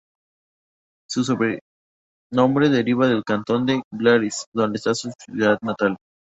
Su sobrenombre deriva del cantón de Glaris, donde está su ciudad natal.